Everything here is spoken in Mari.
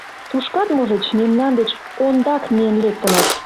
Тушкат, можыч, мемнан деч ондак миен лектыныт.